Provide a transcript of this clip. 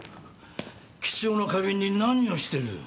貴重な花瓶に何をしてる。